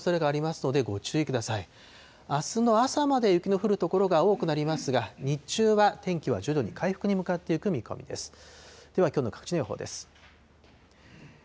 あすの朝まで雪の降る所が多くなりますが、日中は天気は徐々に回復に向かっていく見込みです。